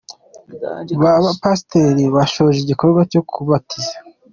Ba pasteri bashoje igikorwa cyo kubatiza.